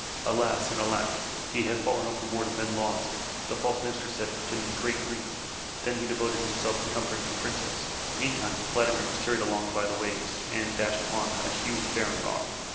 *'Alas and alack! He has fallen overboard and been lost," the false Minister said, pretending great grief, and then he devoted himself to comforting the Princess. Meantime, Vladimir was carried along by the waves and dashed upon a huge, barren rock.